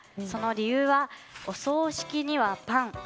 その理由はお葬式にはパン！